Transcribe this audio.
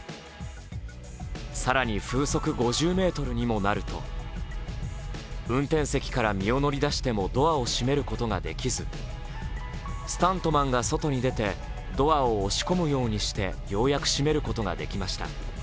更に風速５０メートルにもなると運転席から身を乗り出してもドアを閉めることができずスタントマンが外に出てドアを押し込むようにしてようやく閉めることができました。